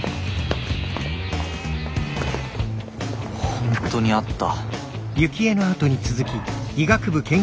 本当にあった。